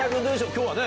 今日はね